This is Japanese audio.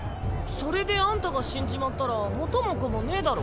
それであんたが死んじまったら元も子もねぇだろ。